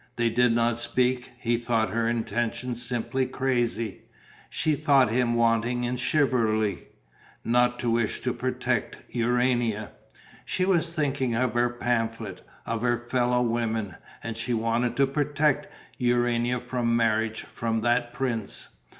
They did not speak: he thought her intention simply crazy; she thought him wanting in chivalry, not to wish to protect Urania. She was thinking of her pamphlet, of her fellow women; and she wanted to protect Urania from marriage, from that prince.